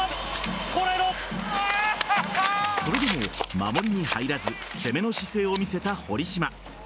それでも守りに入らず攻めの姿勢を見せた堀島。